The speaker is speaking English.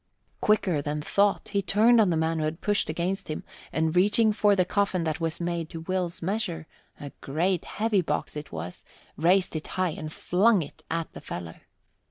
Quicker than thought, he turned on the man who had pushed against him, and reaching for the coffin that was made to Will's measure a great, heavy box it was! raised it high and flung it at the fellow.